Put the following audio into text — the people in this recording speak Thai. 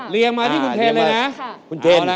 เรียงมาที่คุณเทนเลยนะ